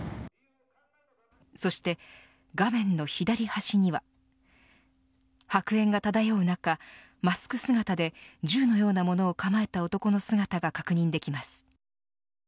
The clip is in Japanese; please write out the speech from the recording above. そして画面の左端には白煙が漂う中マスク姿で、銃のようなものを構えた男の姿が確認できます。